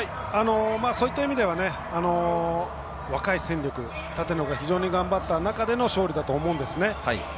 そういった意味では若い戦力立野が非常に頑張った中での勝利だと思うんですね。